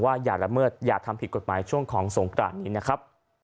อย่าละเมิดอย่าทำผิดกฎหมายช่วงของสงกรานนี้นะครับ